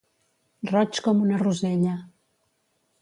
Roig com una rosella.